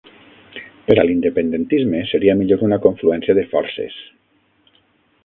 Per a l'independentisme seria millor una confluència de forces.